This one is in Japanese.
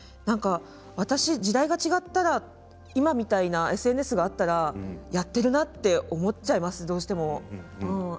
私、時代が違ったら今みたいなＳＮＳがあったらやっているなって思っちゃいます。